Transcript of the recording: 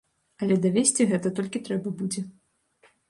Але давесці гэта толькі трэба будзе.